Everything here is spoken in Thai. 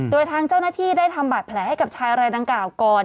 โดยทางเจ้าหน้าที่ได้ทำบาดแผลให้กับชายรายดังกล่าวก่อน